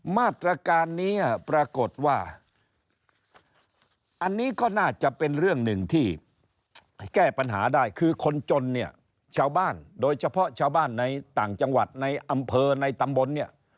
มาตรการนี้ปรากฏว่าอันนี้ก็น่าจะเป็นเรื่องหนึ่งที่แก้ปัญหาได้คือคนจนเนี่ยชาวบ้านโดยเฉพาะชาวบ้านในต่างจังหวัดในอำเภอในตำบลเนี่ย